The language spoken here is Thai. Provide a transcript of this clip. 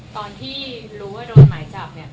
ตอนที่รู้ว่าโดนหมายจับเนี่ย